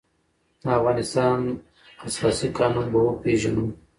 د افغانستان اساسي قانون به وپېژنو.